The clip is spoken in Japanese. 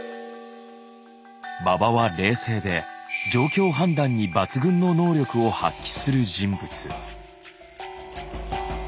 馬場は冷静で状況判断に抜群の能力を発揮する人物。